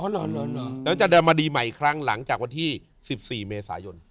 แล้วจะเดินมาดีใหม่อีกครั้งหลังจากวันที่๑๔เมษายน